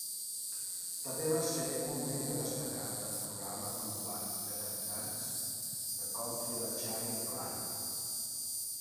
També va ser un membre destacat del programa ambulant de cantants de country de Charley Pride.